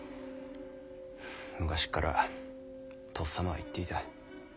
昔っからとっさまは言っていた。